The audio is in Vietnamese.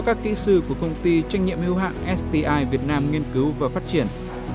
do các kỹ sư của công ty trách nhiệm hưu hạng sti việt nam nghiên cứu và phát triển